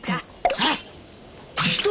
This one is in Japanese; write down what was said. あっ！